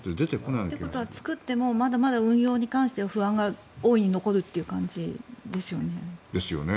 ということは作ってもまだまだ運用に関しては不安が大いに残るという感じですよね。